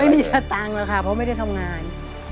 ไม่มีแค่ตั้งแหละค่ะเพราะไม่ได้ทำงาน